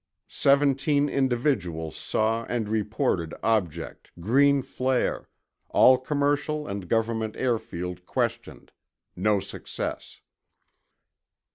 seventeen individuals saw and reported object ... green flare ... all commercial and government airfield questioned ... no success.